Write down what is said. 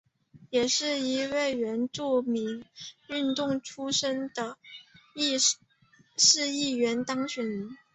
也是第一位原住民运动出身的市议员当选人。